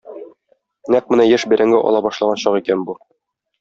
Нәкъ менә яшь бәрәңге ала башлаган чак икән бу.